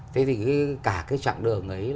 thế thì cả cái chặng đường ấy